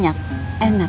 iya mak boonnanya banyak